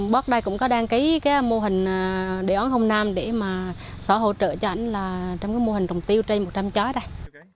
bóc đây cũng có đăng ký cái mô hình đề oán không nam để mà xóa hỗ trợ cho ảnh là trong cái mô hình trồng tiêu trên một trăm linh chói đây